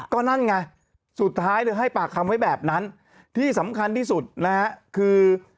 ก็นั่นไงสุดท้ายเลยให้ปากคำไว้แบบนั้นที่สำคัญที่สุดนะฮะคือ